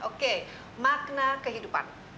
oke makna kehidupan